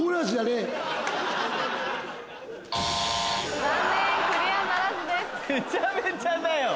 めちゃめちゃだよ！